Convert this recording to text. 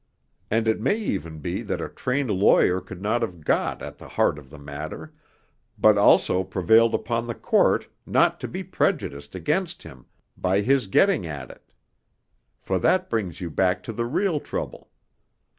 And it may even be that a trained lawyer could not only have got at the heart of the matter, but also prevailed upon the Court not to be prejudiced against him by his getting at it. For that brings you back to the real trouble.